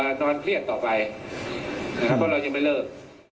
เพราะเราจะไม่เลิก